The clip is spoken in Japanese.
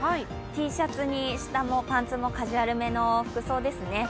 Ｔシャツに下のパンツもカジュアルめの服装ですね。